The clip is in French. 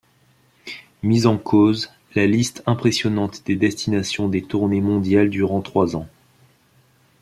Mise en cause, la liste impressionnante des destinations des tournées mondiales durant trois ans.